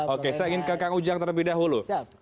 oke saya ingin ke kang ujang terlebih dahulu